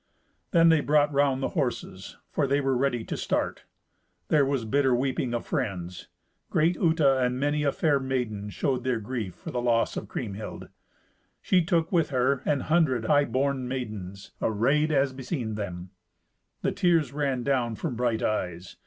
Then they brought round the horses, for they were ready to start. There was bitter weeping of friends. Great Uta and many a fair maiden showed their grief for the loss of Kriemhild. She took with her an hundred high born maidens, arrayed as beseemed them. The tears ran down from bright eyes.